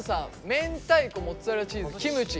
「明太子モッツァレラチーズキムチ」。